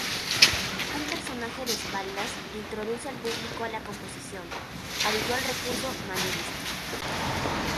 Un personaje de espaldas introduce al público a la composición, habitual recurso manierista.